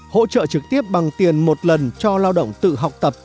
hỗ trợ trực tiếp bằng tiền một lần cho lao động tự học tập